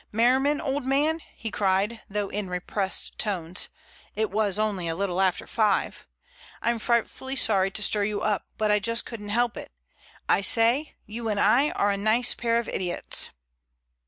"Merriman, old man," he cried, though in repressed tones—it was only a little after five—"I'm frightfully sorry to stir you up, but I just couldn't help it. I say, you and I are a nice pair of idiots!"